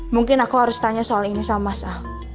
mungkin aku harus tanya soal ini sama mas ah